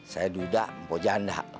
saya duda mpo janda